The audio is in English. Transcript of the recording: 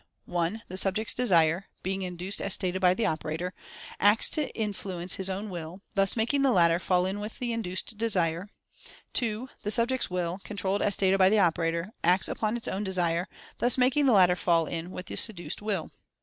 (1) the subject's Desire (being induced as stated by the operator) acts to in fluence his own Will, thus making the latter fall in with the induced Desire; (2) the subject's Will (con trolled as stated by the operator) acts upon his own Desire, thus making the latter fall in with the seduced Will.